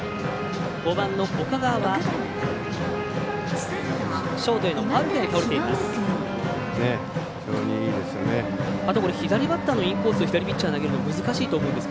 ５番の岡川は、ショートへのファウルフライに倒れています。